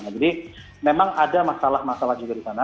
jadi memang ada masalah masalah juga di sana